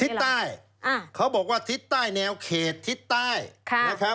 ทิศใต้เขาบอกว่าทิศใต้แนวเขตทิศใต้นะครับ